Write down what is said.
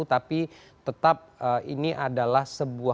tapi tetap ini adalah sebuah